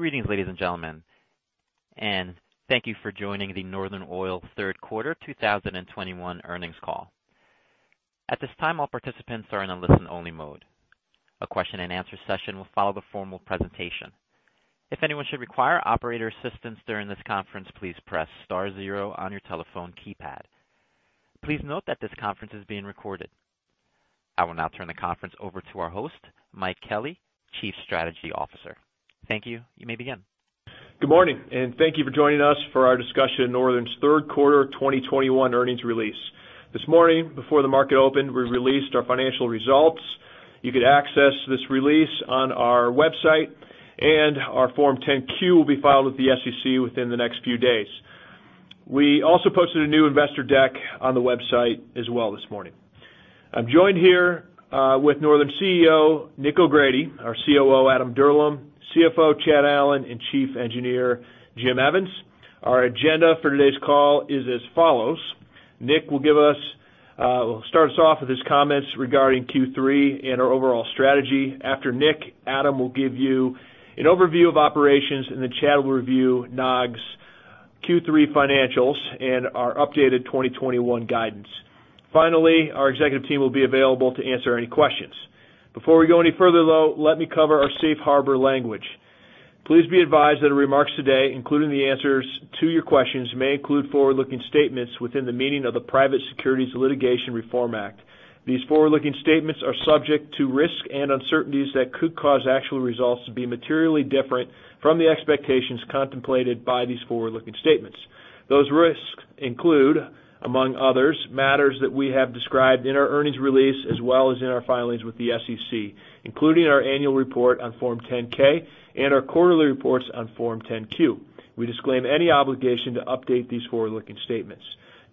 Greetings, ladies and gentlemen, and thank you for joining the Northern Oil third quarter 2021 earnings call. At this time, all participants are in a listen-only mode. A question-and-answer session will follow the formal presentation. If anyone should require operator assistance during this conference, please press star zero on your telephone keypad. Please note that this conference is being recorded. I will now turn the conference over to our host, Mike Kelly, Chief Strategy Officer. Good morning. Thank you for joining us for our discussion of Northern Oil and Gas' 3rd quarter 2021 earnings release. This morning, before the market opened, we released our financial results. You could access this release on our website. Our Form 10-Q will be filed with the SEC within the next few days. We also posted a new investor deck on the website as well this morning. I'm joined here with Northern Oil and Gas CEO Nick O'Grady, our COO Adam Dirlam, CFO Adam Dirlam, and Chief Engineer Jim Evans. Our agenda for today's call is as follows: Nick will give us, will start us off with his comments regarding Q3 and our overall strategy. After Nick, Adam will give you an overview of operations. Chad will review NOG's Q3 financials and our updated 2021 guidance. Finally, our executive team will be available to answer any questions. Before we go any further, though, let me cover our safe harbor language. Please be advised that our remarks today, including the answers to your questions, may include forward-looking statements within the meaning of the Private Securities Litigation Reform Act. These forward-looking statements are subject to risks and uncertainties that could cause actual results to be materially different from the expectations contemplated by these forward-looking statements. Those risks include, among others, matters that we have described in our earnings release as well as in our filings with the SEC, including our annual report on Form 10-K and our quarterly reports on Form 10-Q. We disclaim any obligation to update these forward-looking statements.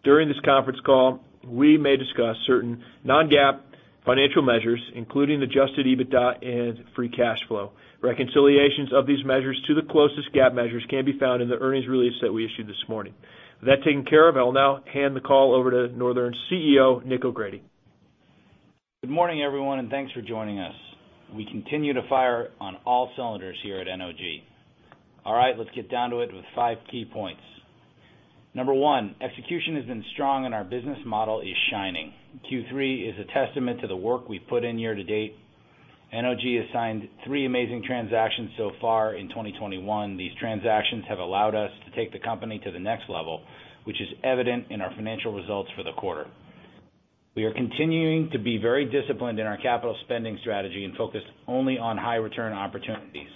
During this conference call, we may discuss certain non-GAAP financial measures, including adjusted EBITDA and free cash flow. Reconciliations of these measures to the closest GAAP measures can be found in the earnings release that we issued this morning. With that taken care of, I'll now hand the call over to Northern CEO Nick O'Grady. Good morning, everyone. Thanks for joining us. We continue to fire on all cylinders here at NOG. Let's get down to it with five key points. Number one, execution has been strong. Our business model is shining. Q3 is a testament to the work we've put in year to date. NOG has signed three amazing transactions so far in 2021. These transactions have allowed us to take the company to the next level, which is evident in our financial results for the quarter. We are continuing to be very disciplined in our capital spending strategy and focused only on high-return opportunities.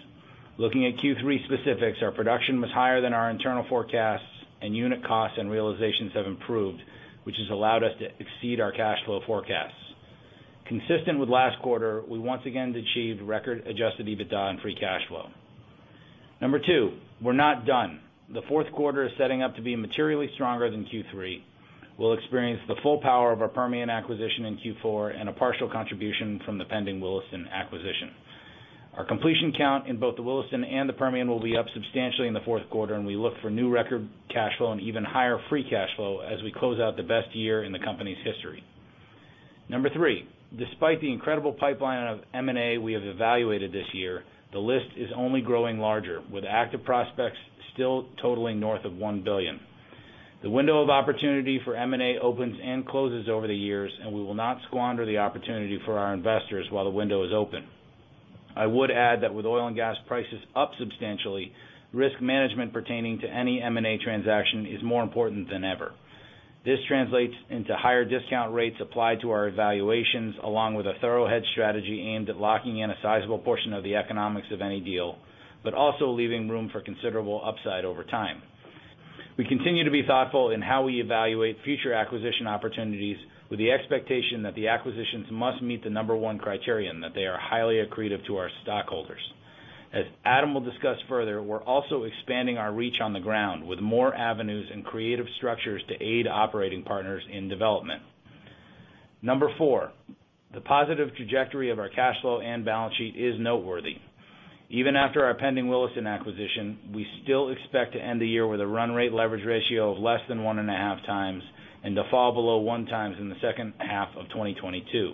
Looking at Q3 specifics, our production was higher than our internal forecasts. Unit costs and realizations have improved, which has allowed us to exceed our cash flow forecasts. Consistent with last quarter, we once again achieved record adjusted EBITDA and free cash flow. Two, we're not done. The fourth quarter is setting up to be materially stronger than Q3. We'll experience the full power of our Permian acquisition in Q4 and a partial contribution from the pending Williston acquisition. Our completion count in both the Williston and the Permian will be up substantially in the fourth quarter, and we look for new record cash flow and even higher free cash flow as we close out the best year in the company's history. three, despite the incredible pipeline of M&A we have evaluated this year, the list is only growing larger, with active prospects still totaling north of $1 billion. The window of opportunity for M&A opens and closes over the years, and we will not squander the opportunity for our investors while the window is open. I would add that with oil and gas prices up substantially, risk management pertaining to any M&A transaction is more important than ever. This translates into higher discount rates applied to our evaluations, along with a thorough hedge strategy aimed at locking in a sizable portion of the economics of any deal, but also leaving room for considerable upside over time. We continue to be thoughtful in how we evaluate future acquisition opportunities with the expectation that the acquisitions must meet the number 1 criterion, that they are highly accretive to our stockholders. As Adam Dirlam will discuss further, we're also expanding our reach on the ground with more avenues and creative structures to aid operating partners in development. Number fourm, the positive trajectory of our cash flow and balance sheet is noteworthy. Even after our pending Williston acquisition, we still expect to end the year with a run rate leverage ratio of less than 1.5 times and to fall below 1 time in the second half of 2022.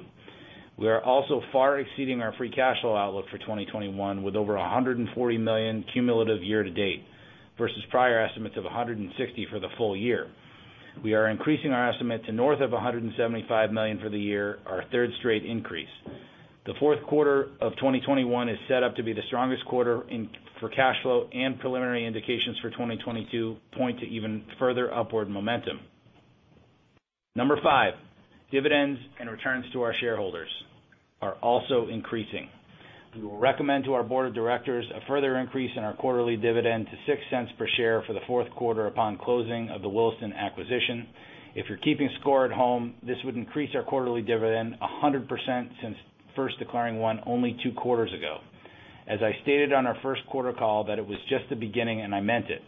We are also far exceeding our free cash flow outlook for 2021, with over $140 million cumulative year to date versus prior estimates of $160 million for the full year. We are increasing our estimate to north of $175 million for the year, our third straight increase. The fourth quarter of 2021 is set up to be the strongest quarter for cash flow and preliminary indications for 2022 point to even further upward momentum. Number five, dividends and returns to our shareholders are also increasing. We will recommend to our board of directors a further increase in our quarterly dividend to $0.06 per share for the fourth quarter upon closing of the Williston acquisition. If you're keeping score at home, this would increase our quarterly dividend 100% since first declaring one only two quarters ago. As I stated on our first quarter call that it was just the beginning, and I meant it.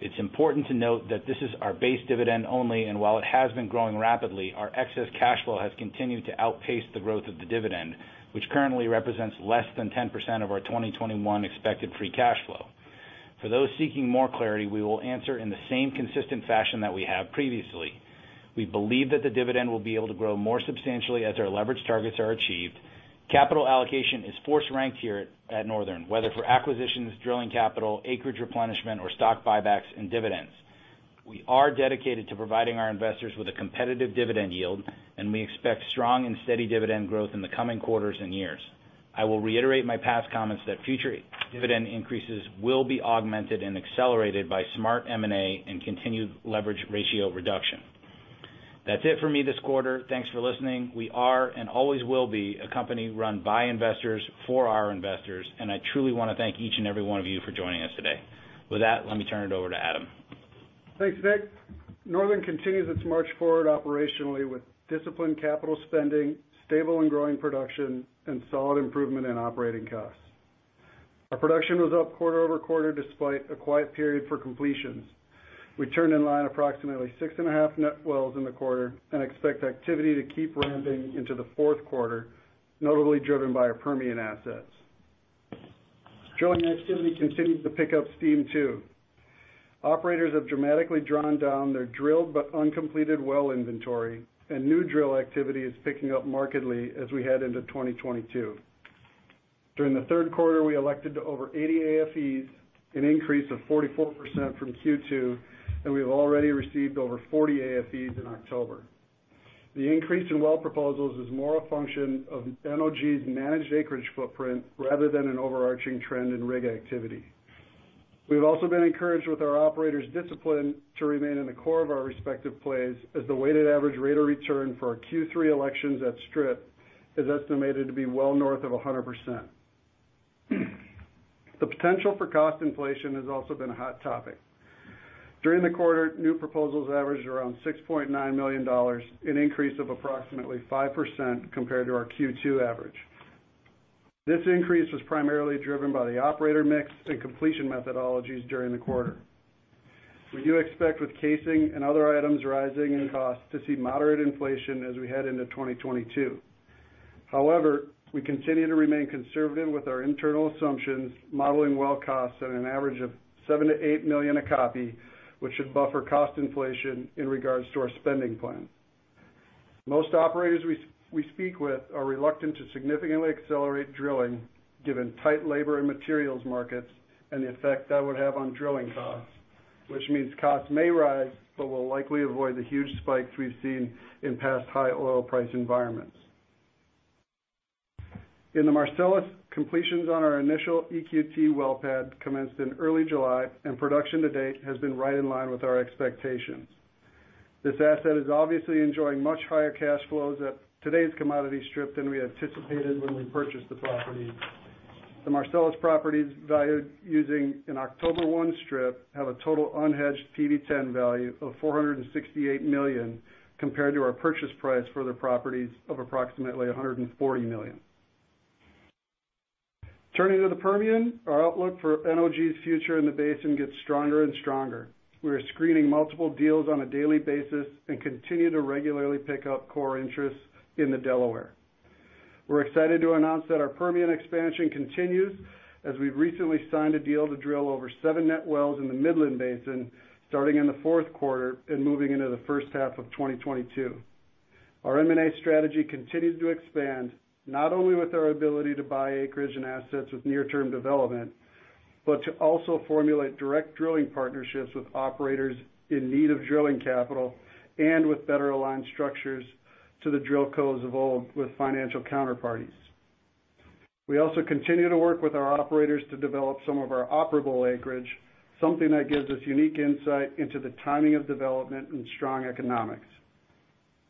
It's important to note that this is our base dividend only, and while it has been growing rapidly, our excess cash flow has continued to outpace the growth of the dividend, which currently represents less than 10% of our 2021 expected free cash flow. For those seeking more clarity, we will answer in the same consistent fashion that we have previously. We believe that the dividend will be able to grow more substantially as our leverage targets are achieved. Capital allocation is force-ranked here at Northern, whether for acquisitions, drilling capital, acreage replenishment, or stock buybacks and dividends. We are dedicated to providing our investors with a competitive dividend yield, and we expect strong and steady dividend growth in the coming quarters and years. I will reiterate my past comments that future dividend increases will be augmented and accelerated by smart M&A and continued leverage ratio reduction. That's it for me this quarter. Thanks for listening. We are and always will be a company run by investors for our investors, and I truly want to thank each and every one of you for joining us today. With that, let me turn it over to Adam. Thanks, Nick. Northern continues its march forward operationally with disciplined capital spending, stable and growing production, and solid improvement in operating costs. Our production was up quarter-over-quarter despite a quiet period for completions. We turned in line approximately 6.5 net wells in the quarter and expect activity to keep ramping into the fourth quarter, notably driven by our Permian assets. Drilling activity continued to pick up steam, too. Operators have dramatically drawn down their drilled but uncompleted well inventory, and new drill activity is picking up markedly as we head into 2022. During the third quarter, we elected to over 80 AFEs, an increase of 44% from Q2, and we have already received over 40 AFEs in October. The increase in well proposals is more a function of NOG's managed acreage footprint rather than an overarching trend in rig activity. We've also been encouraged with our operators' discipline to remain in the core of our respective plays as the weighted average rate of return for our Q3 elections at Strip is estimated to be well north of 100%. The potential for cost inflation has also been a hot topic. During the quarter, new proposals averaged around $6.9 million, an increase of approximately 5% compared to our Q2 average. This increase was primarily driven by the operator mix and completion methodologies during the quarter. We do expect with casing and other items rising in cost to see moderate inflation as we head into 2022. However, we continue to remain conservative with our internal assumptions, modeling well costs at an average of $7 million-$8 million a copy, which should buffer cost inflation in regards to our spending plan. Most operators we speak with are reluctant to significantly accelerate drilling given tight labor and materials markets and the effect that would have on drilling costs, which means costs may rise, but we'll likely avoid the huge spikes we've seen in past high oil price environments. In the Marcellus, completions on our initial EQT well pad commenced in early July, and production to date has been right in line with our expectations. This asset is obviously enjoying much higher cash flows at today's commodity strip than we anticipated when we purchased the property. The Marcellus properties valued using an October 1 strip have a total unhedged PV10 value of $468 million compared to our purchase price for the properties of approximately $140 million. Turning to the Permian, our outlook for NOG's future in the basin gets stronger and stronger. We are screening multiple deals on a daily basis and continue to regularly pick up core interests in the Delaware. We're excited to announce that our Permian expansion continues as we've recently signed a deal to drill over seven net wells in the Midland Basin starting in the fourth quarter and moving into the first half of 2022. Our M&A strategy continues to expand, not only with our ability to buy acreage and assets with near-term development, but to also formulate direct drilling partnerships with operators in need of drilling capital and with better aligned structures to the DrillCos of old with financial counterparties. We also continue to work with our operators to develop some of our operable acreage, something that gives us unique insight into the timing of development and strong economics.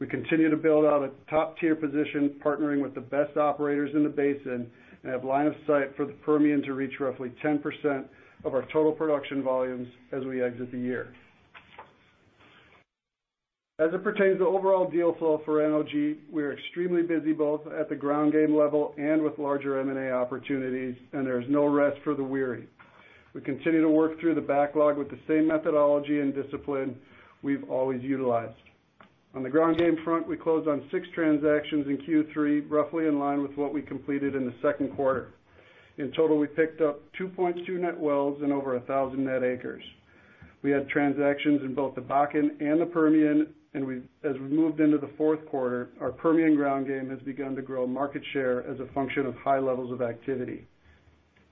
We continue to build out a top-tier position partnering with the best operators in the basin and have line of sight for the Permian to reach roughly 10% of our total production volumes as we exit the year. As it pertains to overall deal flow for NOG, we are extremely busy both at the ground game level and with larger M&A opportunities, and there is no rest for the weary. We continue to work through the backlog with the same methodology and discipline we've always utilized. On the ground game front, we closed on 6 transactions in Q3, roughly in line with what we completed in the second quarter. In total, we picked up 2.2 net wells and over 1,000 net acres. We had transactions in both the Bakken and the Permian, and we as we've moved into the fourth quarter, our Permian ground game has begun to grow market share as a function of high levels of activity.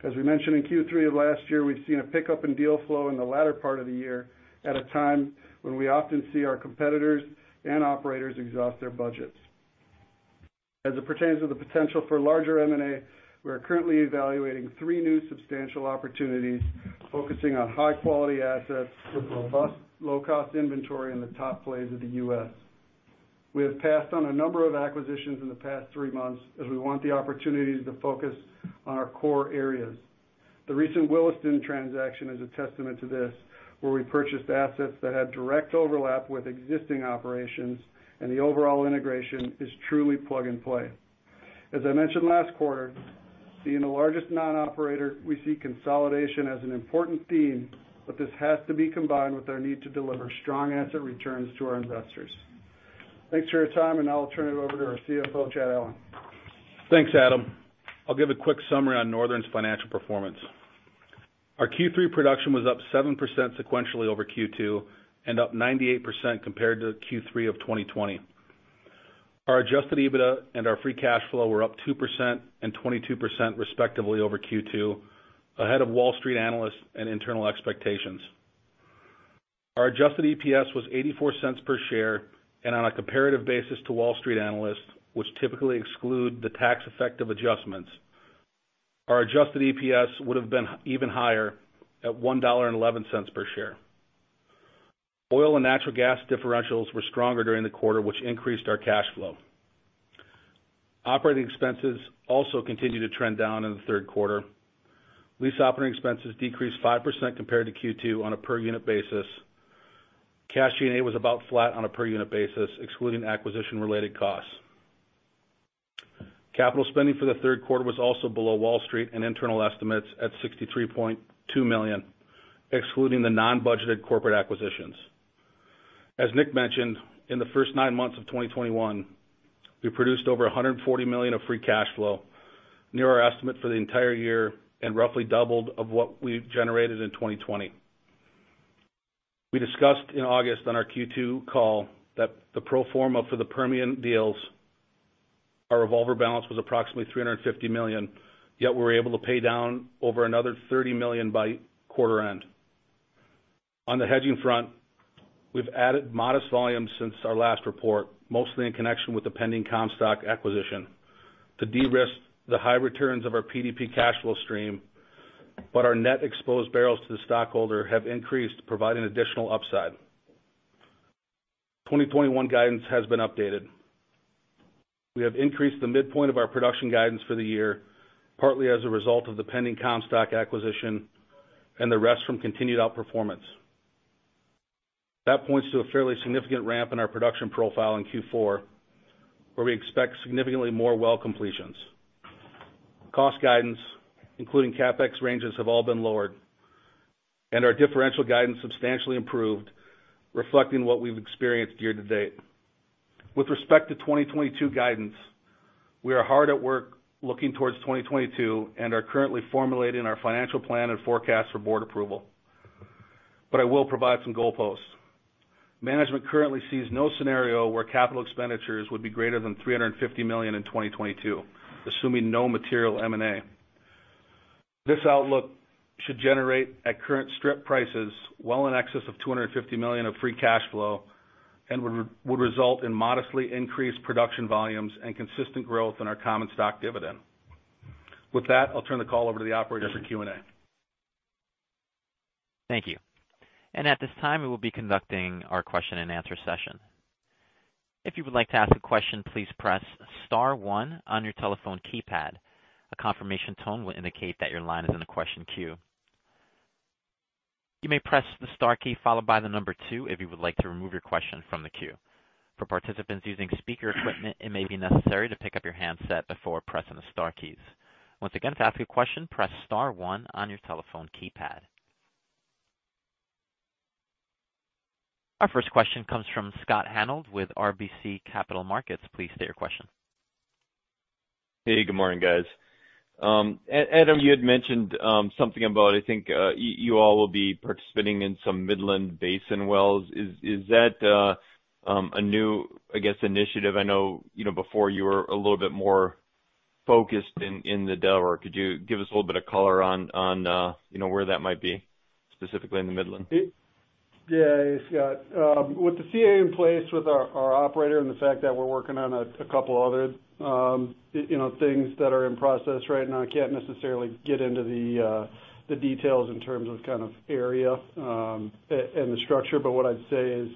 As we mentioned in Q3 of last year, we've seen a pickup in deal flow in the latter part of the year at a time when we often see our competitors and operators exhaust their budgets. As it pertains to the potential for larger M&A, we are currently evaluating three new substantial opportunities focusing on high-quality assets with robust low-cost inventory in the top plays of the U.S. We have passed on a number of acquisitions in the past three months as we want the opportunities to focus on our core areas. The recent Williston transaction is a testament to this, where we purchased assets that had direct overlap with existing operations. The overall integration is truly plug-and-play. As I mentioned last quarter, being the largest non-operator, we see consolidation as an important theme. This has to be combined with our need to deliver strong asset returns to our investors. Thanks for your time. I'll turn it over to our CFO, Chad Allen. Thanks, Adam. I'll give a quick summary on Northern's financial performance. Our Q3 production was up 7% sequentially over Q2 and up 98% compared to Q3 of 2020. Our adjusted EBITDA and our free cash flow were up 2% and 22% respectively over Q2, ahead of Wall Street analysts and internal expectations. Our adjusted EPS was $0.84 per share and on a comparative basis to Wall Street analysts, which typically exclude the tax effect of adjustments, our adjusted EPS would have been even higher at $1.11 per share. Oil and natural gas differentials were stronger during the quarter, which increased our cash flow. Operating expenses also continued to trend down in the third quarter. Lease operating expenses decreased 5% compared to Q2 on a per unit basis. Cash G&A was about flat on a per unit basis, excluding acquisition-related costs. Capital spending for the third quarter was also below Wall Street and internal estimates at $63.2 million, excluding the non-budgeted corporate acquisitions. As Nick mentioned, in the first nine months of 2021, we produced over $140 million of free cash flow, near our estimate for the entire year and roughly doubled of what we generated in 2020. We discussed in August on our Q2 call that the pro forma for the Permian deals, our revolver balance was approximately $350 million, yet we were able to pay down over another $30 million by quarter end. On the hedging front, we've added modest volumes since our last report, mostly in connection with the pending Comstock acquisition to de-risk the high returns of our PDP cash flow stream, but our net exposed barrels to the stockholder have increased, providing additional upside. 2021 guidance has been updated. We have increased the midpoint of our production guidance for the year, partly as a result of the pending Comstock acquisition and the rest from continued outperformance. That points to a fairly significant ramp in our production profile in Q4, where we expect significantly more well completions. Cost guidance, including CapEx ranges, have all been lowered, and our differential guidance substantially improved, reflecting what we've experienced year to date. With respect to 2022 guidance, we are hard at work looking towards 2022 and are currently formulating our financial plan and forecast for board approval. I will provide some goalposts. Management currently sees no scenario where capital expenditures would be greater than $350 million in 2022, assuming no material M&A. This outlook should generate, at current strip prices, well in excess of $250 million of free cash flow and would result in modestly increased production volumes and consistent growth in our common stock dividend. With that, I'll turn the call over to the operator for Q&A. Thank you. At this time, we will be conducting our question-and-answer session. If you would like to ask a question, please press star one on your telephone keypad. A confirmation tone will indicate that your line is in the question queue. You may press the star key followed by the number two if you would like to remove your question from the queue. For participants using speaker equipment, it may be necessary to pick up your handset before pressing the star keys. Once again, to ask a question, press star one on your telephone keypad. Our first question comes from Scott Hanold with RBC Capital Markets. Please state your question. Hey, good morning, guys. Adam, you had mentioned something about, I think, you all will be participating in some Midland Basin wells. Is that a new, I guess, initiative? I know, you know, before you were a little bit more focused in the Delaware. Could you give us a little bit of color on, you know, where that might be specifically in the Midland? Yeah, Scott. With the CA in place with our operator and the fact that we're working on a couple other, you know, things that are in process right now, I can't necessarily get into the details in terms of kind of area and the structure. What I'd say is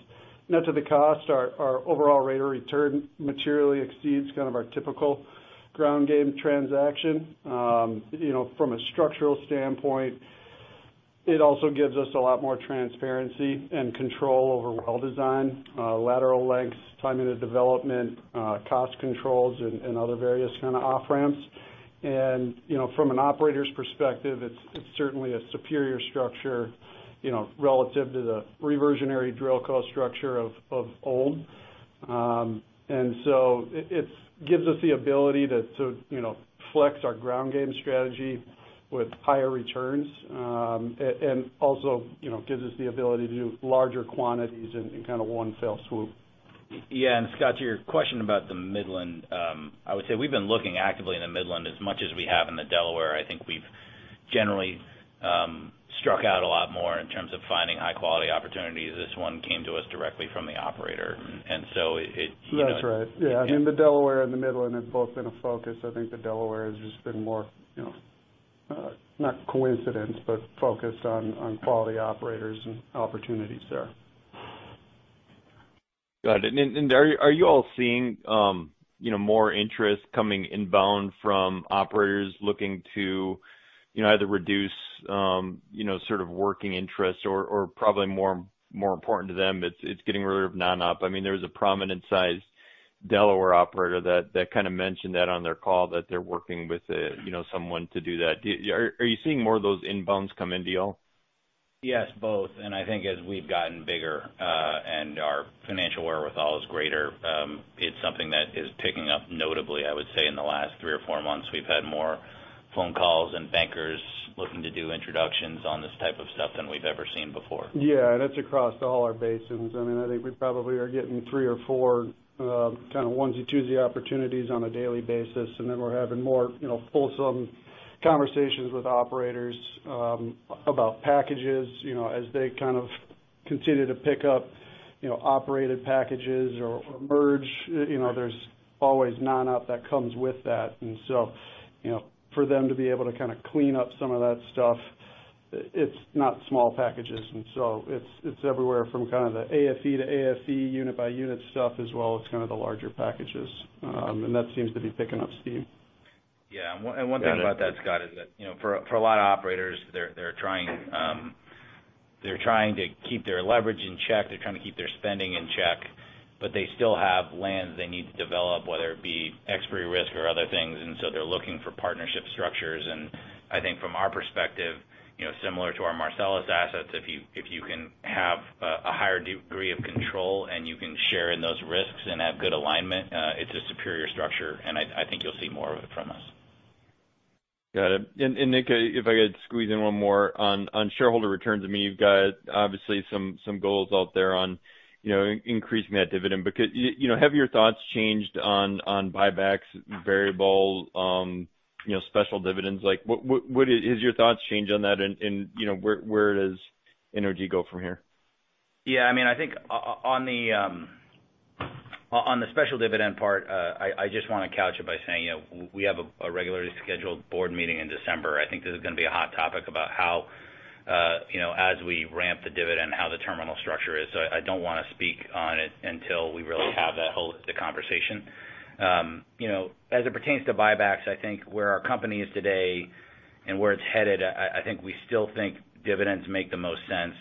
net to the cost, our overall rate of return materially exceeds kind of our typical ground game transaction. You know, from a structural standpoint, it also gives us a lot more transparency and control over well design, lateral lengths, timing of development, cost controls and other various kind of off-ramps. You know, from an operator's perspective, it's certainly a superior structure, you know, relative to the reversionary DrillCos structure of old. It gives us the ability to, you know, flex our ground game strategy with higher returns, and also, you know, gives us the ability to do larger quantities in kind of one fell swoop. Yeah. Scott, to your question about the Midland, I would say we've been looking actively in the Midland as much as we have in the Delaware. I think we've generally struck out a lot more in terms of finding high-quality opportunities. This one came to us directly from the operator. That's right. Yeah. I mean, the Delaware and the Midland have both been a focus. I think the Delaware has just been more, you know, not coincidence, but focused on quality operators and opportunities there. Got it. Are you all seeing, you know, more interest coming inbound from operators looking to, you know, either reduce, you know, sort of working interest or probably more important to them, it's getting rid of non-op? I mean, there was a prominent-sized Delaware operator that kind of mentioned that on their call that they're working with, you know, someone to do that. Are you seeing more of those inbounds come in, Neal? Yes, both. I think as we've gotten bigger, and our financial wherewithal is greater, it's something that is picking up notably, I would say in the last three or four months, we've had more phone calls and bankers looking to do introductions on this type of stuff than we've ever seen before. Yeah. It's across all our basins. I mean, I think we probably are getting three or four, kinda onesie-twosie opportunities on a daily basis. We're having more, you know, fulsome conversations with operators, about packages, you know, as they kind of continue to pick up, you know, operated packages or merge, you know, there's always non-op that comes with that. You know, for them to be able to kinda clean up some of that stuff, it's not small packages. It's, it's everywhere from kind of the AFE to AFE unit by unit stuff as well as kind of the larger packages. That seems to be picking up steam. Yeah. One thing about that, Scott, is that, you know, for a lot of operators, they're trying to keep their leverage in check. They're trying to keep their spending in check, but they still have lands they need to develop, whether it be expiry risk or other things. They're looking for partnership structures. I think from our perspective, you know, similar to our Marcellus assets, if you can have a higher degree of control and you can share in those risks and have good alignment, it's a superior structure, and I think you'll see more of it from us. Got it. Nick, if I could squeeze in one more on shareholder returns. I mean, you've got obviously some goals out there on, you know, increasing that dividend because, you know, have your thoughts changed on buybacks variable, you know, special dividends? Like, what has your thoughts changed on that in, you know, where does NOG go from here? Yeah. I mean, I think on the special dividend part, I just wanna couch it by saying, you know, we have a regularly scheduled board meeting in December. I think this is gonna be a hot topic about how, you know, as we ramp the dividend, how the terminal structure is. I don't wanna speak on it until we really have that whole conversation. You know, as it pertains to buybacks, I think where our company is today and where it's headed, I think we still think dividends make the most sense.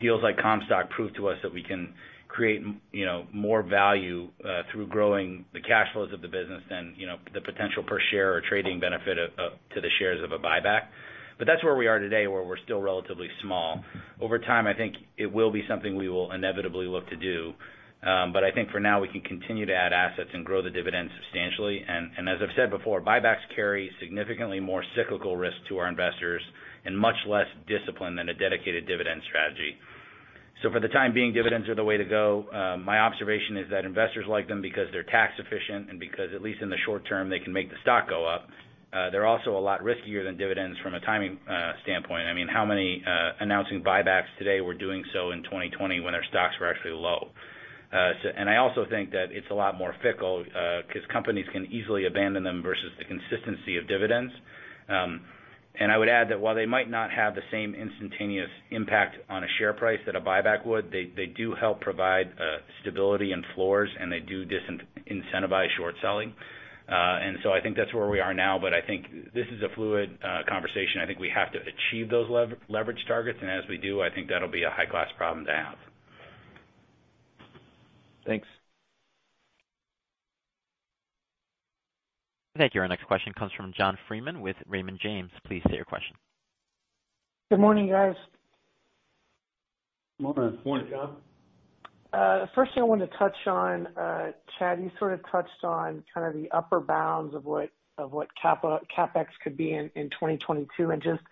Deals like Comstock prove to us that we can create, you know, more value through growing the cash flows of the business than, you know, the potential per share or trading benefit to the shares of a buyback. That's where we are today, where we're still relatively small. Over time, I think it will be something we will inevitably look to do. I think for now, we can continue to add assets and grow the dividend substantially. And as I've said before, buybacks carry significantly more cyclical risk to our investors and much less discipline than a dedicated dividend strategy. For the time being, dividends are the way to go. My observation is that investors like them because they're tax efficient and because at least in the short term, they can make the stock go up. They're also a lot riskier than dividends from a timing standpoint. I mean, how many announcing buybacks today were doing so in 2020 when our stocks were actually low? I also think that it's a lot more fickle, 'cause companies can easily abandon them versus the consistency of dividends. I would add that while they might not have the same instantaneous impact on a share price that a buyback would, they do help provide stability and floors, and they do disincentivize short selling. I think that's where we are now. I think this is a fluid, conversation. I think we have to achieve those leverage targets. As we do, I think that'll be a high-class problem to have. Thanks. Thank you. Our next question comes from John Freeman with Raymond James. Please state your question. Good morning, guys. Morning. Morning. Morning, John. Firstly, I wanted to touch on, Chad, you sort of touched on kind of the upper bounds of what CapEx could be in 2022, and just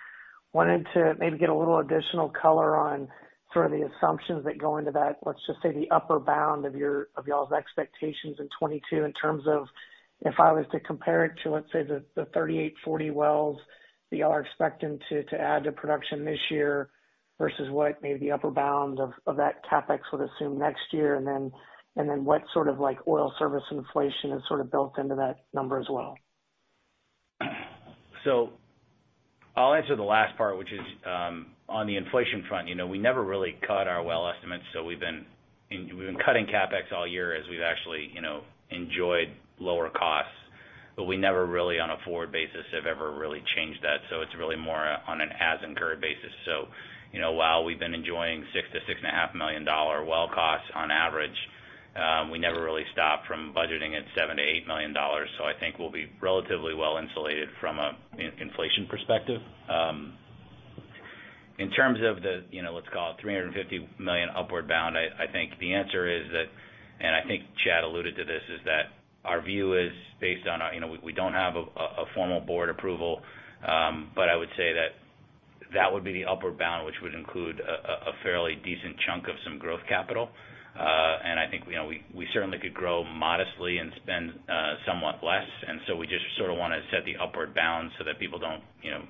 wanted to maybe get a little additional color on sort of the assumptions that go into that, let's just say the upper bound of y'all's expectations in 2022 in terms of if I was to compare it to, let's say, the 38, 40 wells that y'all are expecting to add to production this year versus what maybe the upper bounds of that CapEx would assume next year? What sort of like oil service inflation is sort of built into that number as well? I'll answer the last part, which is on the inflation front. You know, we never really cut our well estimates, so we've been cutting CapEx all year as we've actually, you know, enjoyed lower costs. We never really on a forward basis have ever really changed that. It's really more on an as incurred basis. You know, while we've been enjoying $6 million-$6.5 million well costs on average, we never really stopped from budgeting at $7 million-$8 million. I think we'll be relatively well insulated from a, you know, inflation perspective. In terms of the, you know, let's call it $350 million upward bound, I think the answer is that, and I think Chad alluded to this, is that our view is based on our. You know, we don't have a formal board approval. I would say that that would be the upward bound, which would include a fairly decent chunk of some growth capital. I think, you know, we certainly could grow modestly and spend somewhat less. We just sort of want to set the upward bound so that people don't, you know,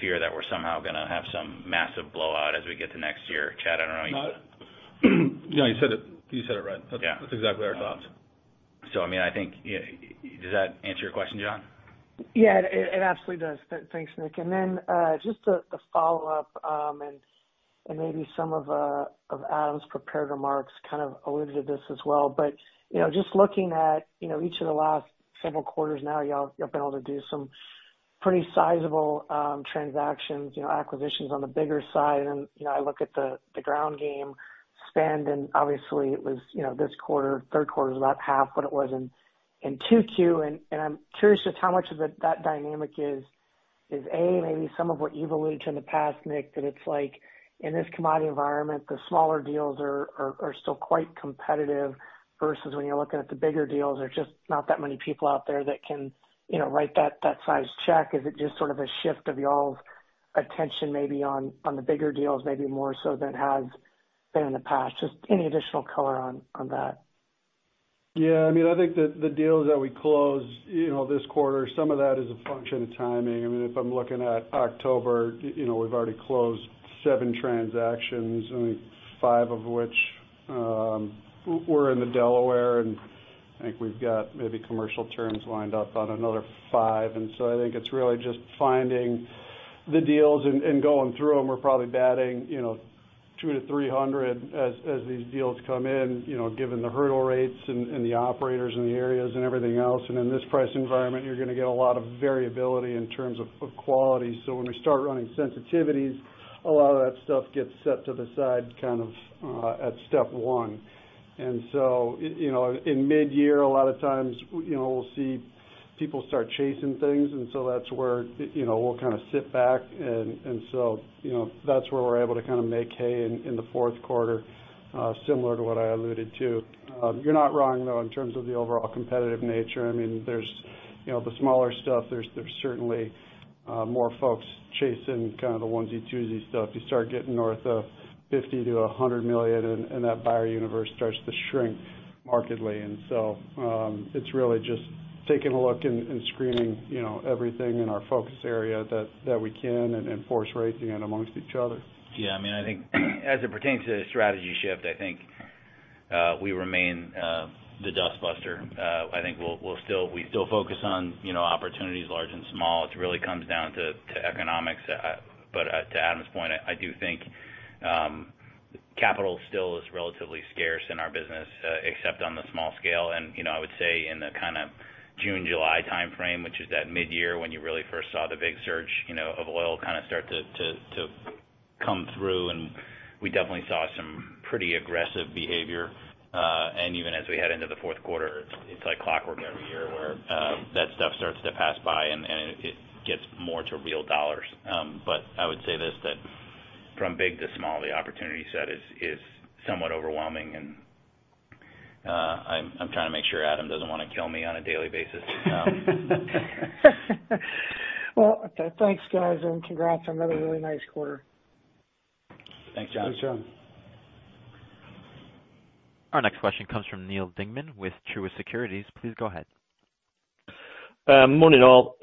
fear that we're somehow going to have some massive blowout as we get to next year. Chad, I don't know. No. You know, you said it right. Yeah. That's exactly our thoughts. I mean, I think Does that answer your question, John? Yeah, it absolutely does. Thanks, Nick. Just a follow-up, and maybe some of Adam's prepared remarks kind of alluded to this as well. You know, just looking at, you know, each of the last several quarters now, y'all, you've been able to do some pretty sizable transactions, you know, acquisitions on the bigger side. You know, I look at the ground gameSpend, and obviously it was, you know, this quarter, third quarter is about half what it was in 2Q. I'm curious just how much of it that dynamic is A, maybe some of what you've alluded to in the past, Nick, that it's like in this commodity environment, the smaller deals are still quite competitive versus when you're looking at the bigger deals. There's just not that many people out there that can, you know, write that size check. Is it just sort of a shift of y'all's attention maybe on the bigger deals, maybe more so than has been in the past? Just any additional color on that? Yeah. I mean, I think that the deals that we closed, you know, this quarter, some of that is a function of timing. I mean, if I'm looking at October, you know, we've already closed seven transactions, I think five of which were in the Delaware, and I think we've got maybe commercial terms lined up on another five. I think it's really just finding the deals and going through them. We're probably batting, you know, 200-300 as these deals come in, you know, given the hurdle rates and the operators in the areas and everything else. In this price environment, you're gonna get a lot of variability in terms of quality. When we start running sensitivities, a lot of that stuff gets set to the side kind of at step one. You know, in midyear, a lot of times, you know, we'll see people start chasing things, that's where, you know, we'll kinda sit back, you know, that's where we're able to kinda make hay in the fourth quarter, similar to what I alluded to. You're not wrong, though, in terms of the overall competitive nature. I mean, there's, you know, the smaller stuff, there's certainly more folks chasing kinda the onesie-twosie stuff. You start getting north of $50 million-$100 million and that buyer universe starts to shrink markedly. It's really just taking a look and screening, you know, everything in our focus area that we can and force ranking it amongst each other. Yeah. I mean, I think as it pertains to the strategy shift, I think we remain the dust buster. I think we still focus on, you know, opportunities large and small. It really comes down to economics. To Adam's point, I do think capital still is relatively scarce in our business, except on the small scale. You know, I would say in the kinda June, July timeframe, which is that midyear when you really first saw the big surge, you know, of oil kinda start to come through, and we definitely saw some pretty aggressive behavior. Even as we head into the fourth quarter, it's like clockwork every year where that stuff starts to pass by and it gets more to real dollars. I would say this, that from big to small, the opportunity set is somewhat overwhelming. I'm trying to make sure Adam doesn't wanna kill me on a daily basis. Well, okay. Thanks, guys, and congrats on another really nice quarter. Thanks, John. Thanks, John. Our next question comes from Neal Dingmann with Truist Securities. Please go ahead. Morning, all.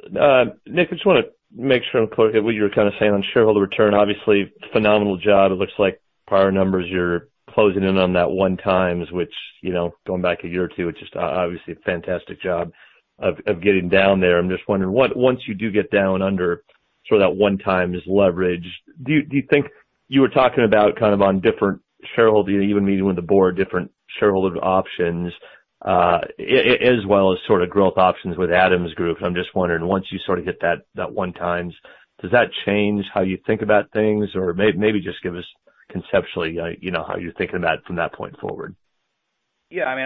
Nick, I just wanna make sure and clarify what you were kinda saying on shareholder return. Obviously, phenomenal job. It looks like prior numbers, you're closing in on that 1 times, which, you know, going back a year or two, it's just obviously a fantastic job of getting down there. I'm just wondering, once you do get down under sort of that 1 times leverage, do you think. You were talking about kind of on different shareholder, you even meeting with the board, different shareholder options, as well as sort of growth options with Adam's group. I'm just wondering, once you sort of hit that 1 times, does that change how you think about things? Maybe just give us conceptually, you know, how you're thinking about it from that point forward. Yeah. I mean,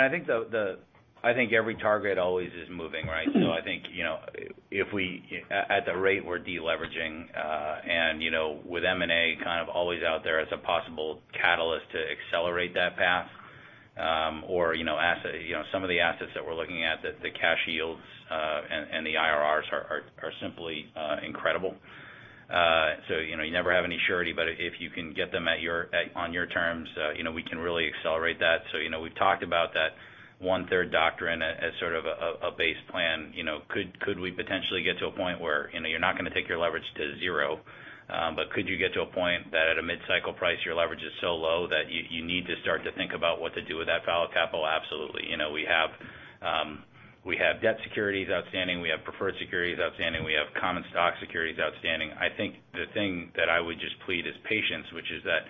I think every target always is moving, right? I think, you know, at the rate we're deleveraging, and, you know, with M&A kind of always out there as a possible catalyst to accelerate that path, or, you know, asset, you know, some of the assets that we're looking at that the cash yields, and the IRRs are simply incredible. You know, you never have any surety, but if you can get them on your terms, you know, we can really accelerate that. You know, we've talked about that one-third doctrine as sort of a base plan. You know, could we potentially get to a point where, you know, you're not gonna take your leverage to zero, but could you get to a point that at a mid-cycle price, your leverage is so low that you need to start to think about what to do with that capital? Absolutely. You know, we have debt securities outstanding, we have preferred securities outstanding, we have common stock securities outstanding. I think the thing that I would just plead is patience, which is that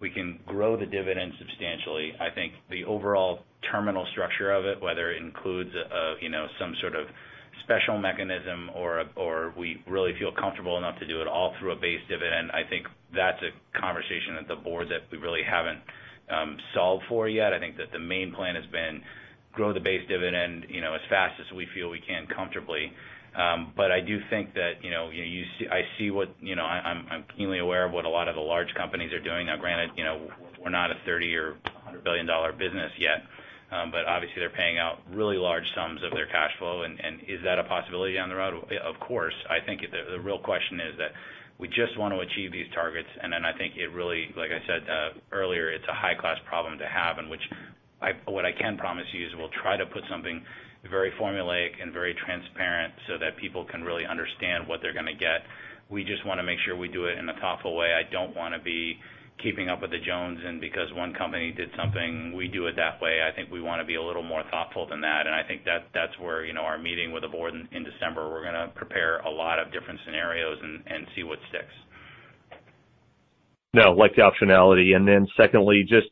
we can grow the dividend substantially. I think the overall terminal structure of it, whether it includes, you know, some sort of special mechanism or we really feel comfortable enough to do it all through a base dividend, I think that's a conversation at the board that we really haven't solved for yet. I think that the main plan has been grow the base dividend, you know, as fast as we feel we can comfortably. I do think that, you know, I see what, you know I'm keenly aware of what a lot of the large companies are doing. Now, granted, you know, we're not a 30 or $100 billion business yet, but obviously they're paying out really large sums of their cash flow. Is that a possibility down the road? Of course. I think the real question is that we just want to achieve these targets. Then I think it really, like I said, earlier, it's a high-class problem to have. What I can promise you is we'll try to put something very formulaic and very transparent so that people can really understand what they're gonna get. We just wanna make sure we do it in a thoughtful way. I don't wanna be keeping up with the Joneses, and because one company did something, we do it that way. I think we wanna be a little more thoughtful than that. I think that's where, you know, our meeting with the Board in December, we're gonna prepare a lot of different scenarios and see what sticks. No, like the optionality. Secondly, just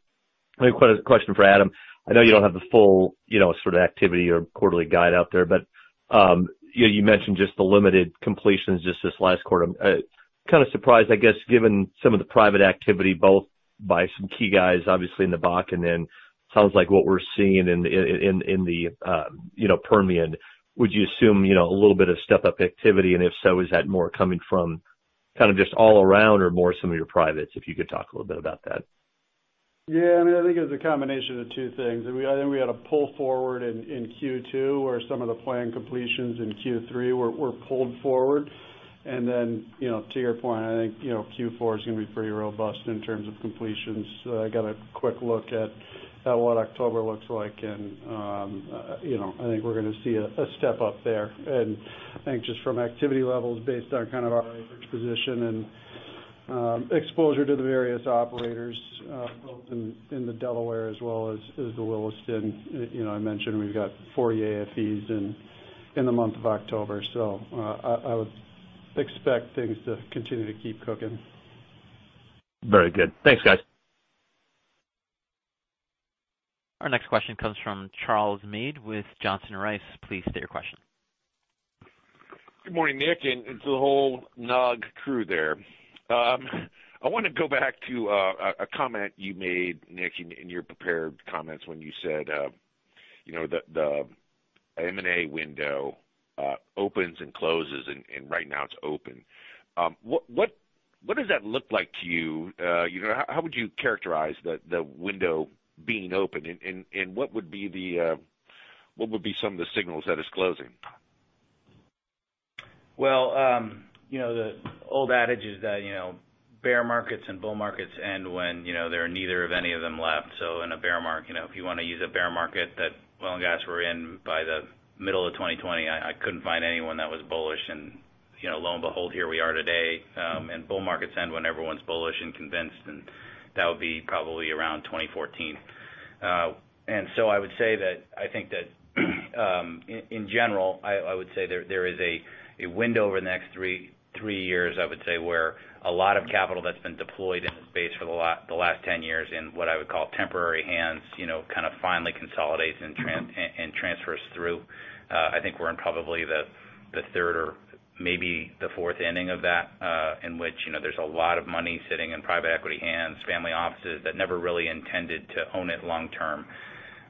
maybe a question for Adam. I know you don't have the full, you know, sort of activity or quarterly guide out there, but you mentioned just the limited completions just this last quarter. I'm kinda surprised, I guess, given some of the private activity, both by some key guys, obviously in the Bakken, and sounds like what we're seeing in the, you know, Permian. Would you assume, you know, a little bit of step up activity? If so, is that more coming from kind of just all around or more some of your privates? If you could talk a little bit about that. Yeah, I mean, I think it was a combination of two things. I think we had a pull forward in Q2 where some of the planned completions in Q3 were pulled forward. You know, to your point, I think, you know, Q4 is gonna be pretty robust in terms of completions. I got a quick look at what October looks like and, you know, I think we're gonna see a step up there. I think just from activity levels based on kind of our average position and exposure to the various operators, both in the Delaware as well as the Williston. You know, I mentioned we've got 40 AFEs in the month of October. I would expect things to continue to keep cooking. Very good. Thanks, guys. Our next question comes from Charles Mead with Johnson Rice. Please state your question. Good morning, Nick, and to the whole NOG crew there. I wanna go back to a comment you made, Nick, in your prepared comments when you said, you know, the M&A window opens and closes, and right now it's open. What does that look like to you? You know, how would you characterize the window being open? What would be some of the signals that it's closing? Well, you know, the old adage is that, you know, bear markets and bull markets end when, you know, there are neither of any of them left. In a bear market, you know, if you wanna use a bear market that oil and gas were in by the middle of 2020, I couldn't find anyone that was bullish. You know, lo and behold, here we are today. Bull markets end when everyone's bullish and convinced, and that would be probably around 2014. I would say that I think that in general I would say there is a window over the next 3 years I would say where a lot of capital that's been deployed in the space for the last 10 years in what I would call temporary hands, you know, kind of finally consolidates and transfers through. I think we're in probably the third or maybe the fourth inning of that in which, you know, there's a lot of money sitting in private equity hands, family offices that never really intended to own it long term.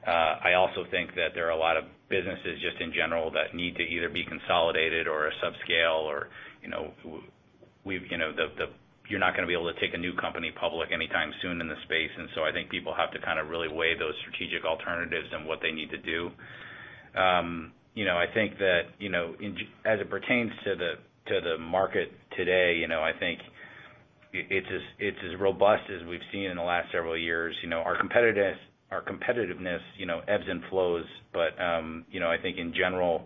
I also think that there are a lot of businesses just in general that need to either be consolidated or are subscale or, you know, you're not gonna be able to take a new company public anytime soon in the space. I think people have to kind of really weigh those strategic alternatives and what they need to do. You know, I think that, you know, as it pertains to the market today, you know, I think it's as robust as we've seen in the last several years. You know, our competitiveness, you know, ebbs and flows. You know, I think in general,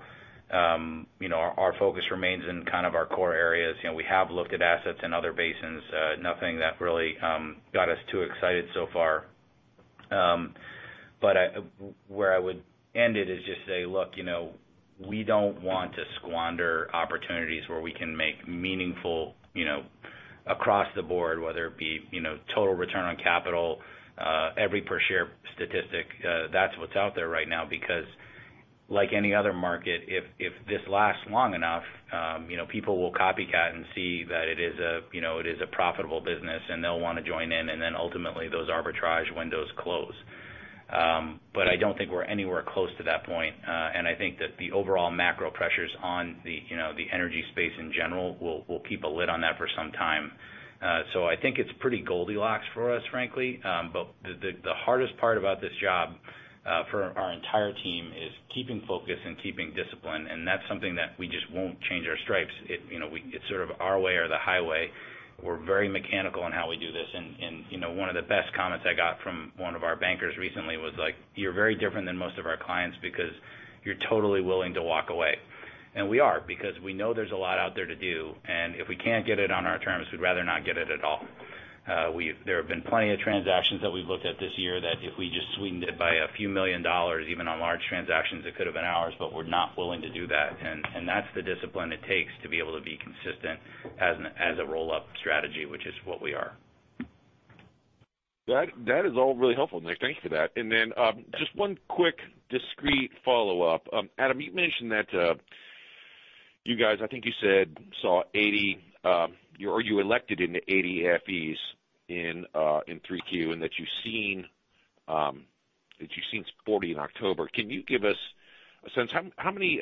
you know, our focus remains in kind of our core areas. You know, we have looked at assets in other basins, nothing that really got us too excited so far. Where I would end it is just say, look, you know, we don't want to squander opportunities where we can make meaningful, you know, across the board, whether it be, you know, total return on capital, every per share statistic. That's what's out there right now because like any other market, if this lasts long enough, you know, people will copycat and see that it is a, you know, it is a profitable business and they'll wanna join in. Ultimately, those arbitrage windows close. I don't think we're anywhere close to that point. I think that the overall macro pressures on the, you know, the energy space in general will keep a lid on that for some time. I think it's pretty Goldilocks for us, frankly. The hardest part about this job, for our entire team is keeping focus and keeping discipline, and that's something that we just won't change our stripes. It, you know, it's sort of our way or the highway. We're very mechanical in how we do this. You know, one of the best comments I got from one of our bankers recently was like, "You're very different than most of our clients because you're totally willing to walk away." We are, because we know there's a lot out there to do, and if we can't get it on our terms, we'd rather not get it at all. There have been plenty of transactions that we've looked at this year that if we just sweetened it by a few million dollars, even on large transactions, it could have been ours, but we're not willing to do that. That's the discipline it takes to be able to be consistent as a roll-up strategy, which is what we are. That is all really helpful, Nick. Thank you for that. Just one quick discrete follow-up. Adam, you mentioned that you guys, I think you said saw 80, or you elected into 80 AFEs in 3Q and that you've seen that you've seen 40 in October. Can you give us a sense how many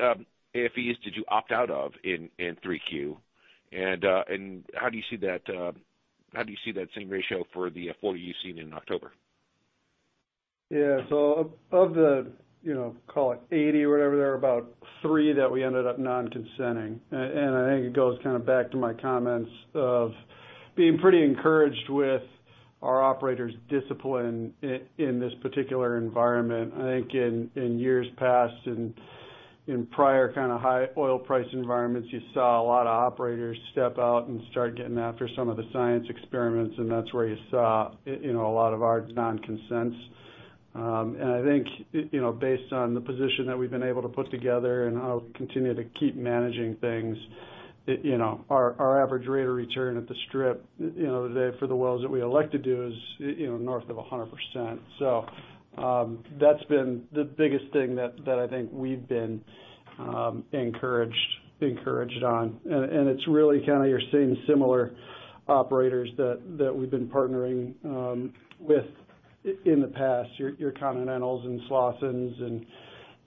AFEs did you opt out of in 3Q? How do you see that same ratio for the 40 you've seen in October? Of the, you know, call it 80 or whatever, there are about three that we ended up non-consenting. I think it goes kind of back to my comments of being pretty encouraged with our operators' discipline in this particular environment. I think in years past, in prior kind of high oil price environments, you saw a lot of operators step out and start getting after some of the science experiments, and that's where you saw, you know, a lot of our non-consents. I think, you know, based on the position that we've been able to put together and how we continue to keep managing things, it, you know, our average rate of return at the strip, you know, today for the wells that we elect to do is, you know, north of 100%. That's been the biggest thing that I think we've been encouraged on. It's really kind of you're seeing similar operators that we've been partnering with in the past, your Continentals and Slawson.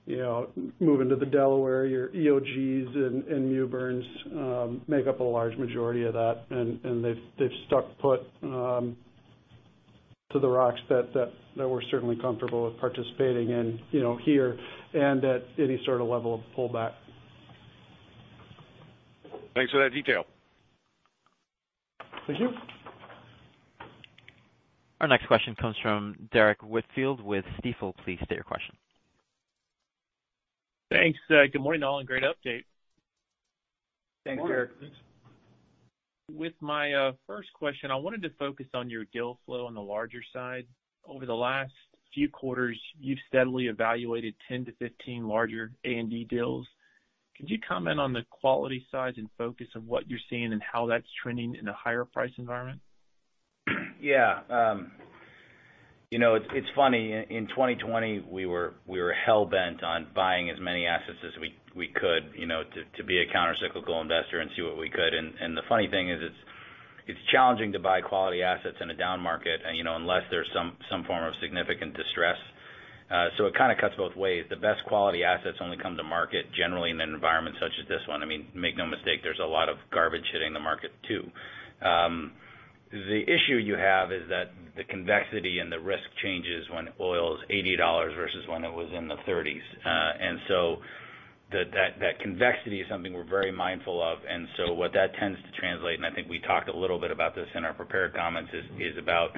You know, moving to the Delaware, your EOGs and Mewbourne make up a large majority of that, and they've stuck put to the rocks that we're certainly comfortable with participating in, you know, here and at any sort of level of pullback. Thanks for that detail. Thank you. Our next question comes from Derrick Whitfield with Stifel. Please state your question. Thanks. Good morning, all, and great update. Thanks, Derrick. Good morning. With my first question, I wanted to focus on your deal flow on the larger side. Over the last few quarters, you've steadily evaluated 10-15 larger A&D deals. Could you comment on the quality, size, and focus of what you're seeing and how that's trending in a higher price environment? Yeah. You know, it's funny. In 2020, we were hell-bent on buying as many assets as we could, you know, to be a countercyclical investor and see what we could. The funny thing is, it's challenging to buy quality assets in a down market, you know, unless there's some form of significant distress. It kinda cuts both ways. The best quality assets only come to market generally in an environment such as this one. I mean, make no mistake, there's a lot of garbage hitting the market too. The issue you have is that the convexity and the risk changes when oil is $80 versus when it was in the 30s. That convexity is something we're very mindful of. What that tends to translate, and I think we talked a little bit about this in our prepared comments, is about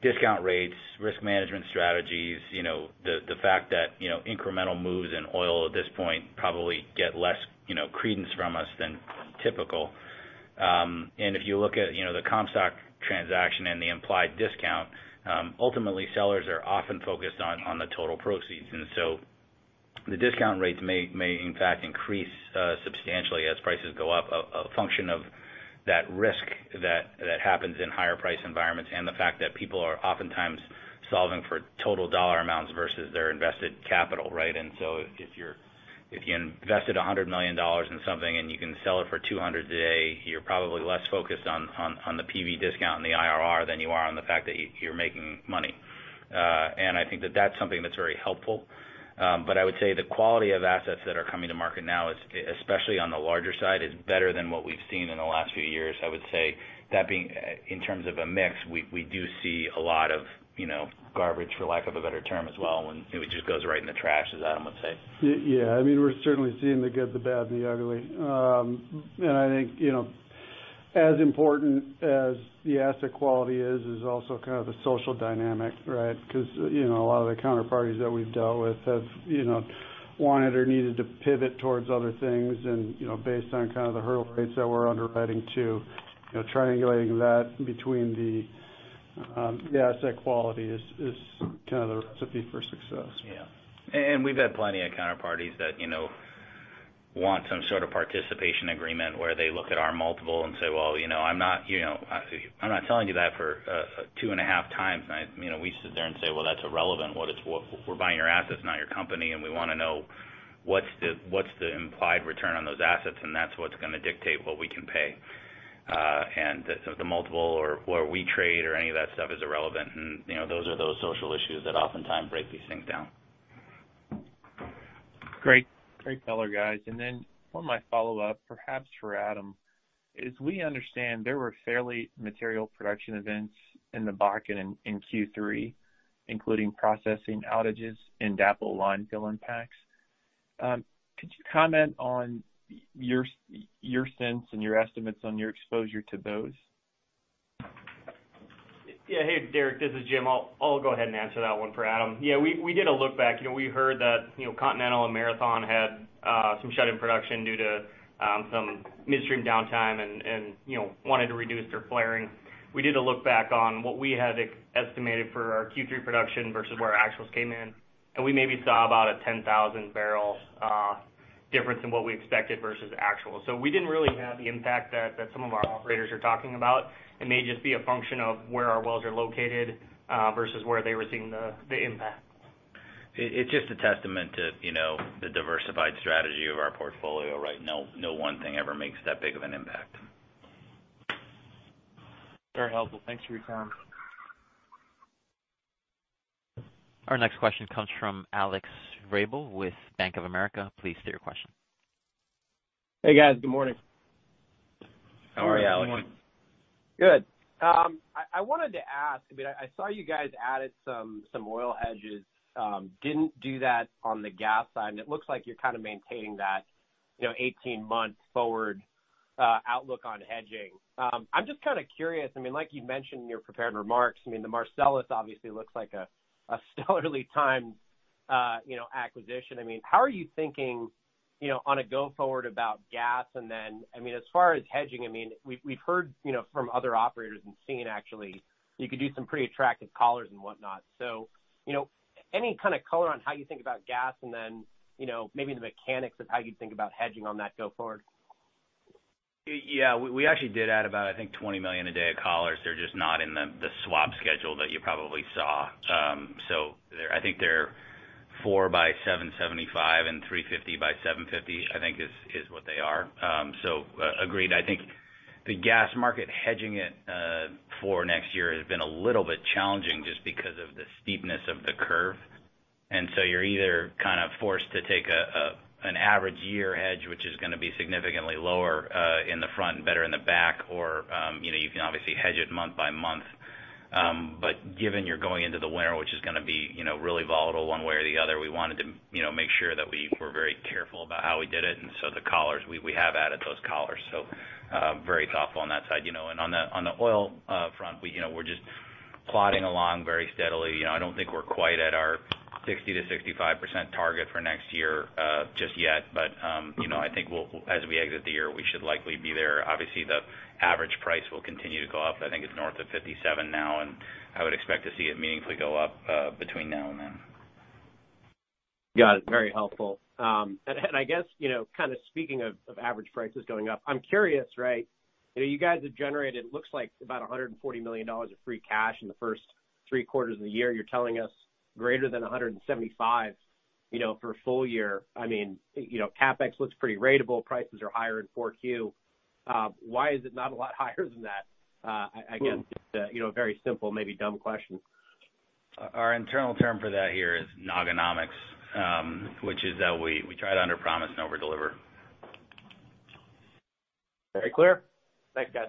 discount rates, risk management strategies, you know, the fact that, you know, incremental moves in oil at this point probably get less, you know, credence from us than typical. If you look at, you know, the Comstock transaction and the implied discount, ultimately sellers are often focused on the total proceeds. The discount rates may in fact increase substantially as prices go up, a function of that risk that happens in higher price environments and the fact that people are oftentimes solving for total dollar amounts versus their invested capital, right? If you invested $100 million in something and you can sell it for $200 today, you're probably less focused on the PV discount and the IRR than you are on the fact that you're making money. I think that that's something that's very helpful. But I would say the quality of assets that are coming to market now, especially on the larger side, is better than what we've seen in the last few years. I would say that in terms of a mix, we do see a lot of, you know, garbage, for lack of a better term, as well, when it just goes right in the trash, as Adam would say. Yeah. I mean, we're certainly seeing the good, the bad, and the ugly. I think, you know, as important as the asset quality is also kind of the social dynamic, right? 'Cause, you know, a lot of the counterparties that we've dealt with have, you know, wanted or needed to pivot towards other things. You know, based on kind of the hurdle rates that we're underwriting to, you know, triangulating that between the asset quality is kind of the recipe for success. Yeah. We've had plenty of counterparties that, you know, want some sort of participation agreement where they look at our multiple and say, "Well, you know, I'm not selling you that for 2.5 times." You know, we sit there and say, "Well, that's irrelevant. What it's worth, we're buying your assets, not your company, and we wanna know what's the implied return on those assets, and that's what's gonna dictate what we can pay." The multiple or where we trade or any of that stuff is irrelevant. You know, those are those social issues that oftentimes break these things down. Great. Great color, guys. one of my follow-up, perhaps for Adam, as we understand, there were fairly material production events in the Bakken in Q3, including processing outages and DAPL line fill impacts. Could you comment on your sense and your estimates on your exposure to those? Yeah. Hey, Derrick, this is Jim. I'll go ahead and answer that one for Adam. Yeah, we did a look back. You know, we heard that, you know, Continental and Marathon had some shut-in production due to some midstream downtime and, you know, wanted to reduce their flaring. We did a look back on what we had estimated for our Q3 production versus where our actuals came in, and we maybe saw about a 10,000 barrel difference in what we expected versus actual. We didn't really have the impact that some of our operators are talking about. It may just be a function of where our wells are located versus where they were seeing the impact. It's just a testament to, you know, the diversified strategy of our portfolio, right? No one thing ever makes that big of an impact. Very helpful. Thanks for your time. Our next question comes from Alex Vrabel with Bank of America. Please state your question. Hey, guys. Good morning. How are you, Alex? Good morning. Good. I wanted to ask, I mean, I saw you guys added some oil hedges, didn't do that on the gas side, and it looks like you're kinda maintaining that, you know, 18-month forward outlook on hedging. I'm just kinda curious, I mean, like you mentioned in your prepared remarks, I mean, the Marcellus obviously looks like a steadily timed, you know, acquisition. I mean, how are you thinking, you know, on a go forward about gas? I mean, as far as hedging, I mean, we've heard, you know, from other operators and seen actually you could do some pretty attractive collars and whatnot. You know, any kind of color on how you think about gas and then, you know, maybe the mechanics of how you think about hedging on that go forward? Yeah. We actually did add about, I think, 20 million a day of collars. They're just not in the swap schedule that you probably saw. So I think they're 4 by 775 and 350 by 750, I think is what they are. So agreed. I think the gas market hedging it for next year has been a little bit challenging just because of the steepness of the curve. So you're either kind of forced to take an average year hedge, which is gonna be significantly lower in the front and better in the back, or, you know, you can obviously hedge it month by month. Given you're going into the winter, which is going to be, you know, really volatile one way or the other, we wanted to, you know, make sure that we were very careful about how we did it. The collars, we have added those collars. Very thoughtful on that side. You know, and on the, on the oil front, we, you know, we're just plodding along very steadily. You know, I don't think we're quite at our 60%-65% target for next year, just yet. You know, I think we'll as we exit the year, we should likely be there. Obviously, the average price will continue to go up. I think it's north of 57 now, and I would expect to see it meaningfully go up between now and then. Got it. Very helpful. I guess, you know, kind of speaking of average prices going up, I'm curious, right? You know, you guys have generated, looks like, about $140 million of free cash in the first 3 quarters of the year. You're telling us greater than $175, you know, for a full year. I mean, you know, CapEx looks pretty ratable. Prices are higher in four Q. Why is it not a lot higher than that? I guess, you know, a very simple, maybe dumb question. Our internal term for that here is NOGonomics, which is that we try to underpromise and overdeliver. Very clear. Thanks, guys.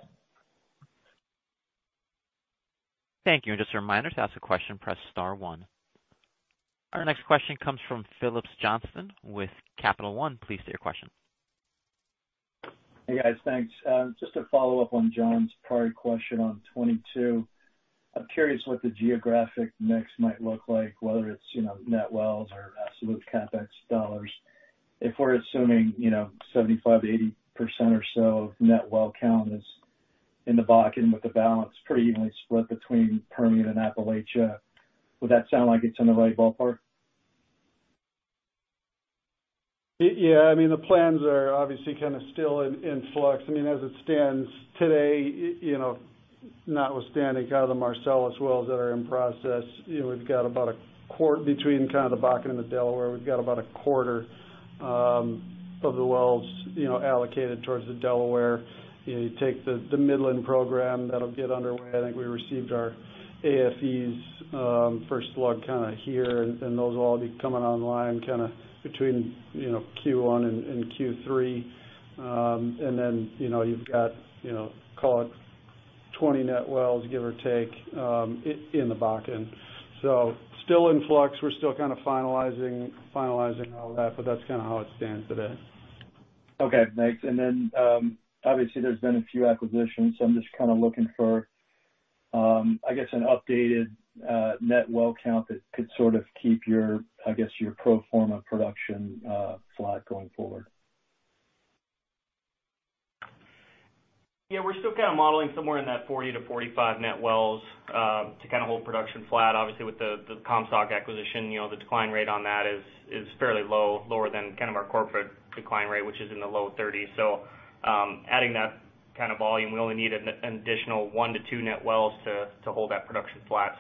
Thank you. Just a reminder, to ask a question, press star one. Our next question comes from Phillips Johnston with Capital One. Please state your question. Hey, guys. Thanks. Just to follow up on John's prior question on 22, I'm curious what the geographic mix might look like, whether it's, you know, net wells or absolute CapEx dollars. If we're assuming, you know, 75%-80% or so of net well count is in the Bakken with the balance pretty evenly split between Permian and Appalachia, would that sound like it's in the right ballpark? Yeah. I mean, the plans are obviously kinda still in flux. I mean, as it stands today, you know, notwithstanding kinda the Marcellus wells that are in process, you know, we've got about a quarter between kinda the Bakken and the Delaware. We've got about a quarter of the wells, you know, allocated towards the Delaware. You know, you take the Midland program that'll get underway. I think we received our AFEs, kinda first slug here, and those will all be coming online kinda between, you know, Q1 and Q3. Then, you know, you've got, you know, call it 20 net wells, give or take, in the Bakken. Still in flux. We're still kinda finalizing all that, but that's kinda how it stands today. Okay, thanks. Obviously there's been a few acquisitions, so I'm just kinda looking for, I guess, an updated net well count that could sort of keep your, I guess, your pro forma production flat going forward. Yeah. We're still kind of modeling somewhere in that 40-45 net wells to kind of hold production flat. Obviously, with the Comstock acquisition, you know, the decline rate on that is fairly low, lower than kind of our corporate decline rate, which is in the low 30s. Adding that kind of volume, we only need an additional 1-2 net wells to hold that production flat.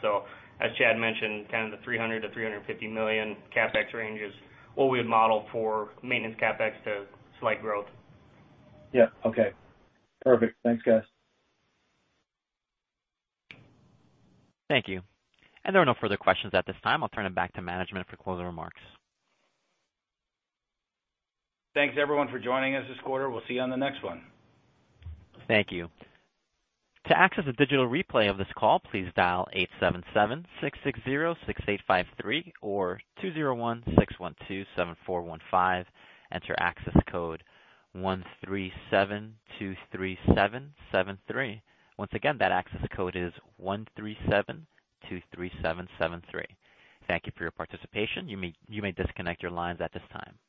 As Chad mentioned, kind of the $300 million-$350 million CapEx range is what we had modeled for maintenance CapEx to slight growth. Yeah. Okay. Perfect. Thanks, guys. Thank you. There are no further questions at this time. I'll turn it back to management for closing remarks. Thanks, everyone, for joining us this quarter. We'll see you on the next one. Thank you. To access a digital replay of this call, please dial eight seven seven six six zero six eight five three or two zero one six one two seven four one five. Enter access code one three seven two three seven seven three. Once again, that access code is one three seven two three seven seven three. Thank you for your participation. You may, you may disconnect your lines at this time.